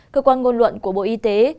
cơ quan ngôn luận của bộ y tế